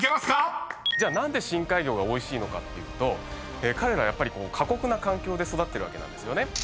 じゃあ何で深海魚がおいしいのかっていうと彼らはやっぱり過酷な環境で育ってるわけなんですよね。